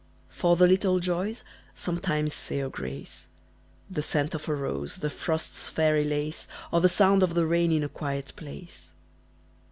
For the little joys sometimes say a grace; The scent of a rose, the frost's fairy lace, Or the sound of the rain in a quiet place.